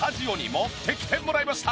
持ってきてもらいました。